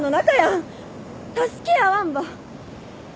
助け合わんば。